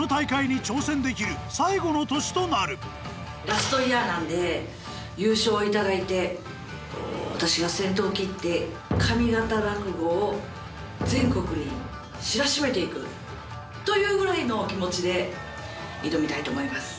ラストイヤーなんで優勝を頂いて私が先頭を切って上方落語を全国に知らしめていくというぐらいの気持ちで挑みたいと思います。